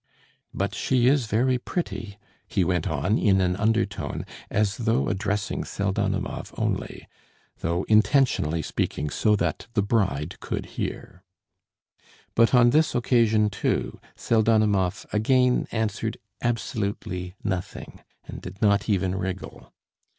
"But she is very pretty," he went on, in an undertone, as though addressing Pseldonimov only, though intentionally speaking so that the bride could hear. But on this occasion, too, Pseldonimov again answered absolutely nothing, and did not even wriggle.